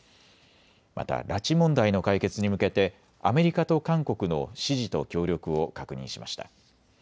また、拉致問題の解決に向けてアメリカと韓国の支持と協力を確認しました。